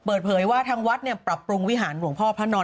เปิดเผยว่าทางวัดเนี่ยปรับปรุงวิหารหลวงพ่อพระนอน